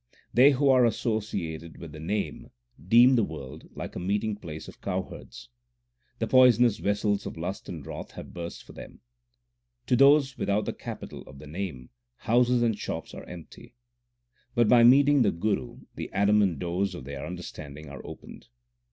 They who are associated with the Name deem the world like a meeting place of cowherds : The poisonous vessels of lust and wrath have burst for them. To those without the capital of the Name houses and shops are empty ; But by meeting the Guru the adamant doors of their understanding are opened.